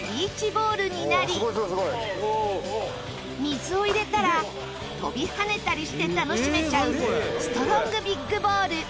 水を入れたら飛び跳ねたりして楽しめちゃうストロングビッグボール。